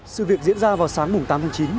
sự việc diễn ra vào sáng tám tháng chín